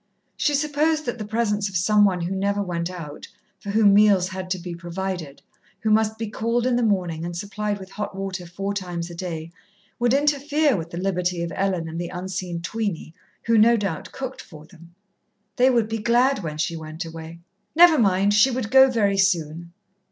She supposed that the presence of some one who never went out, for whom meals had to be provided, who must be called in the morning and supplied with hot water four times a day, would interfere with the liberty of Ellen and the unseen tweeny who, no doubt, cooked for them. They would be glad when she went away. Never mind, she would go very soon.